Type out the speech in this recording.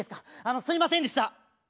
すいませんでした。